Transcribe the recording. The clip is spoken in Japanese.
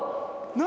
何？